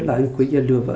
khi anh quý đe dọa